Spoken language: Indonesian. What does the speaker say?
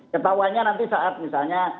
ketahuannya nanti saat misalnya